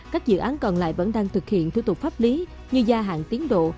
các dự án còn lại vẫn đang thực hiện thủ tục pháp lý như gia hạn tiến độ